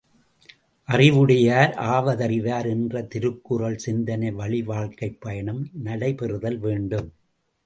அறிவுடையார் ஆவதறிவார் என்ற திருக்குறள் சிந்தனை வழி வாழ்க்கைப் பயணம் நடைபெறுதல் வேண்டும்.